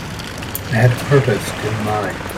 add artist in my